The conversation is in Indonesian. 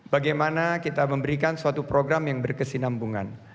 bagaimana kita memberikan suatu program yang berkesinambungan